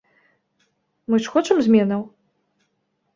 Мы ж хочам зменаў?